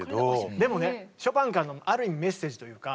でもねショパンからのある意味メッセージというか。